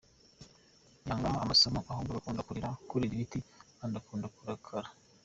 Yanga amasomo ahubwo agakunda kurira ibiti kandi akunda kurakara.